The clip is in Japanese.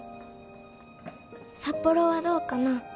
「札幌はどうかな？」